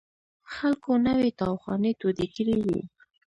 خلکو نوې تاوخانې تودې کړې وې.